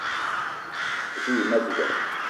O te yi ma douga